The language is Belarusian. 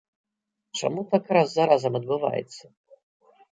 Чаму так раз за разам адбываецца?